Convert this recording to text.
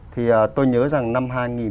thì tôi nhớ rằng năm hai nghìn một mươi năm